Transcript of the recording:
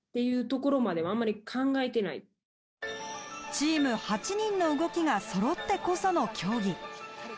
チーム８人の動きがそろってこその競技。